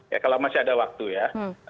ya kalau masih ada waktu ya